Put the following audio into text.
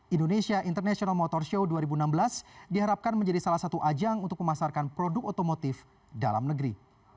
indonesia international motor show dua ribu enam belas diharapkan menjadi salah satu ajang untuk memasarkan produk otomotif dalam negeri